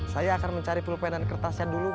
saya akan mencari pulpen dan kertasnya dulu bos